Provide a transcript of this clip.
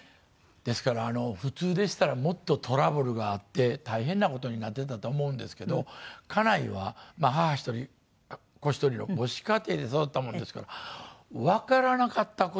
ですから普通でしたらもっとトラブルがあって大変な事になってたと思うんですけど家内は母一人子一人の母子家庭で育ったもんですからわからなかった事が僕はかえってはい。